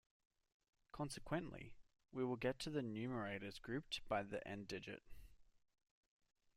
Consequently, we will get the numerators grouped by the end digit.